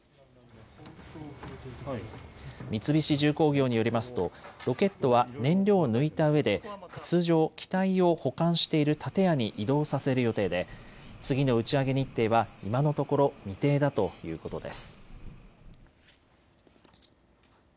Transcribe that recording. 三菱重工業によりますとロケットは燃料を抜いたうえで通常、機体を保管している建屋に移動させる予定で次の打ち上げ日程は今のところ未定だということです。